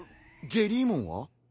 ジェリーモンは？